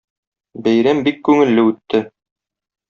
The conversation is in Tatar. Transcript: Бәйрәм бик күңелле үтте.